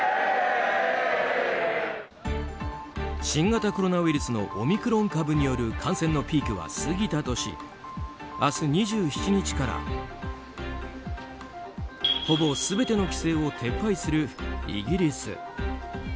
新型コロナウイルスのオミクロン株による感染のピークは過ぎたとし明日２７日から、ほぼ全ての規制を撤廃するイギリス。